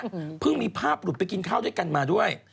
ไม่นานมาเนี่ยเพิ่งมีภาพหลุดไปกินข้าวด้วยกันมาด้วย